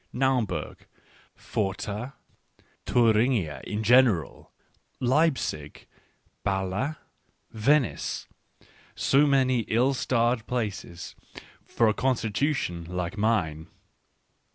Naumburg, Pforta, Thuringia in general, Leipzig, B&le, Venice — so* many ill starred places for a con stitution like mine.